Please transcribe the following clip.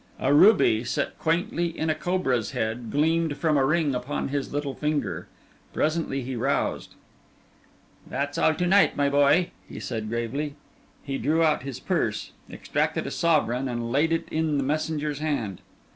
A ruby, set quaintly in a cobra's head, gleamed from a ring upon his little finger. Presently he roused. "That's all to night, my boy," he said, gravely. He drew out his purse, extracted a sovereign, and laid it in the messenger's hand.